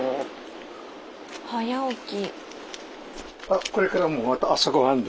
早起き。